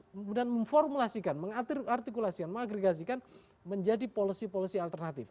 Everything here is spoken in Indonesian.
kemudian memformulasikan mengartikulasikan mengagregasikan menjadi policy policy alternatif